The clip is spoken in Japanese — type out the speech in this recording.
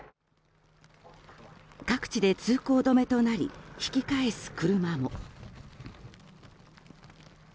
各地で通行止めとなり引き返す車も。